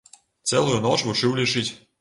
Цэлую ноч вучыў лічыць.